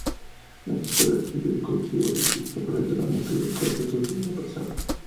Nuestro Padre Jesús Cautivo, representa el momento en el cual Jesús, es apresado.